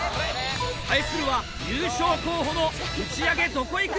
対するは優勝候補の打上げどこいく？